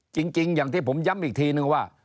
จริงอย่างที่ผมย้ำอีกทีนึงว่า